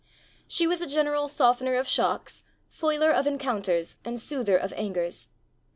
She was a general softener of shocks, foiler of encounters, and soother of angers.